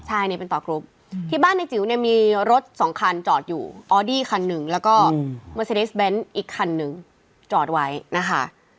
ใช่นี่เป็นต่อกรุ๊ปที่บ้านในจิ๋วเนี่ยมีรถสองคันจอดอยู่ออดี้คันหนึ่งแล้วก็เมอร์ซีดิสเบนท์อีกคันนึงจอดไว้นะคะ